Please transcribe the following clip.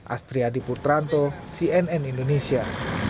astri adipur tranto cnn indonesia